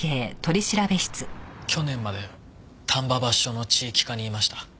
去年まで丹波橋署の地域課にいました。